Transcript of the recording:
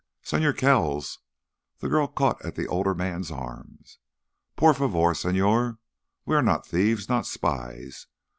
"Señor Kells." The girl caught at the older man's arm. "Por favor, señor, we are not thieves, not spies.